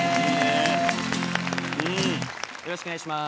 よろしくお願いします。